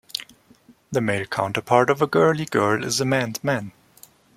The male counterpart of a girly girl is a "man's man".